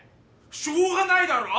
しょうがないだろ！